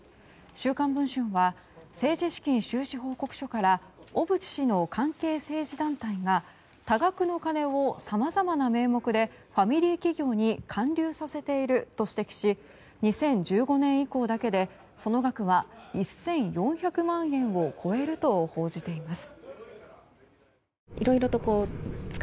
「週刊文春」は政治資金収支報告書から小渕氏の関係政治団体が多額の金をさまざまな名目でファミリー企業に還流させていると指摘し２０１５年以降だけでその額は１４００万円を超えると報じています。